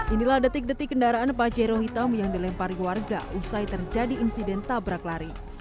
inilah detik detik kendaraan pajero hitam yang dilempari warga usai terjadi insiden tabrak lari